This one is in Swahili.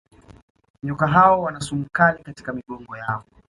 Nyoka hao wana sumu kali katika migongo yao